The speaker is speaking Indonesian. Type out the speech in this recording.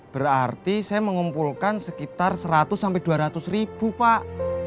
berarti saya mengumpulkan sekitar seratus sampai dua ratus ribu pak